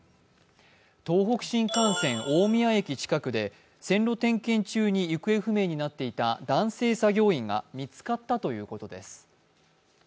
東北新幹線大宮駅近くで線路点検中に行方不明になっていた男性作業員が見つかったということです。